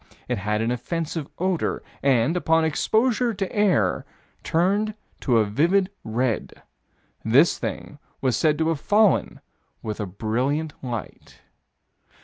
It had an offensive odor, and, upon exposure to the air, turned to a vivid red. This thing was said to have fallen with a brilliant light.